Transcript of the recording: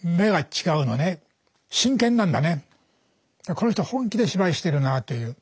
この人は本気で芝居してるなという。